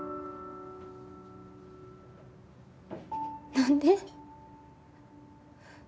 何で？